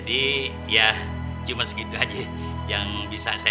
sampai jumpa di video selanjutnya